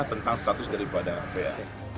tentang status daripada va